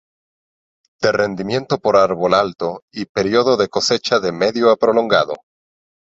De rendimiento por árbol alto y periodo de cosecha de medio a prolongado.